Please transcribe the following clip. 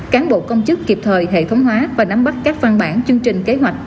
cán bộ công chức kịp thời hệ thống hóa và nắm bắt các văn bản chương trình kế hoạch